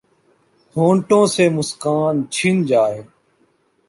ہونٹوں سے مسکان چھن جائے